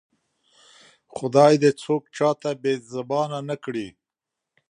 خدای دې څوک چاته بې زبانه نه کړي